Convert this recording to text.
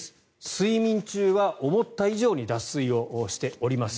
睡眠中は思った以上に脱水しております。